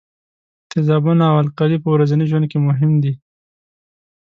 تیزابونه او القلي په ورځني ژوند کې مهم دي.